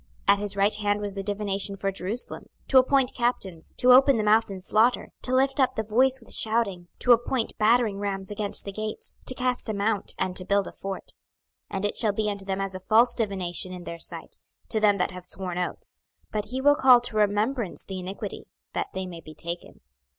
26:021:022 At his right hand was the divination for Jerusalem, to appoint captains, to open the mouth in the slaughter, to lift up the voice with shouting, to appoint battering rams against the gates, to cast a mount, and to build a fort. 26:021:023 And it shall be unto them as a false divination in their sight, to them that have sworn oaths: but he will call to remembrance the iniquity, that they may be taken.